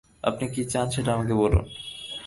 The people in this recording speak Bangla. আপনি কী চান সেইটে আমাকে বলুন।